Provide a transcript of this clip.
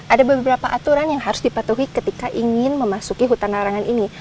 ada beberapa aturan yang harus dipatuhi ketika ingin memasuki hutan larangan ini